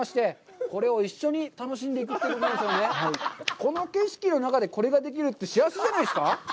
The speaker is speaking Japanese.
この景色の中でこれができるって幸せじゃないですか？